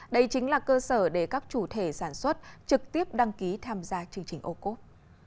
đây chính là cơ sở để các chủ thể sản xuất trực tiếp đăng ký tham gia chương trình ô cốp